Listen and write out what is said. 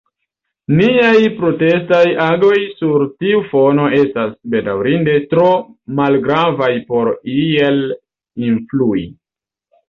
Niaj protestaj agoj sur tiu fono estas, bedaŭrinde, tro malgravaj por iel influi.